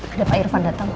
ada pak irvan dateng